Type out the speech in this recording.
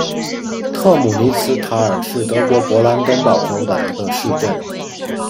特姆尼茨塔尔是德国勃兰登堡州的一个市镇。